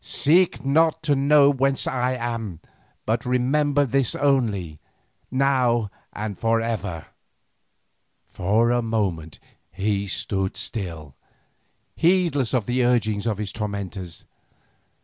"Seek not to know whence I am, but remember this only, now and for ever." For a moment he stood still, heedless of the urgings of his tormentors.